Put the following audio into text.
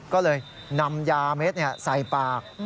ก็เลยนำยาเม็ดใส่ปาก